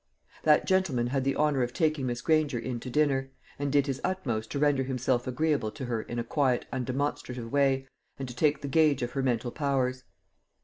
That gentleman had the honour of taking Miss Granger in to dinner, and did his utmost to render himself agreeable to her in a quiet undemonstrative way, and to take the gauge of her mental powers.